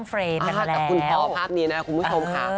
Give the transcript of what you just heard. เอ๊ะห้าแต่คุณคอภาพนี้นะคะคุณผู้ชมค่ะ